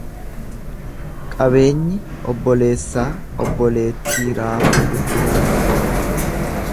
Qabeenyi obboleessaa obboleettii raafuu guuruu hin oolchu.